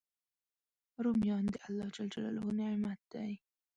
رومیان د الله نعمت دی